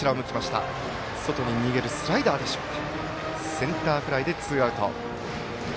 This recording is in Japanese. センターフライでツーアウト。